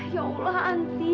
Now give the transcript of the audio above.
ya allah anti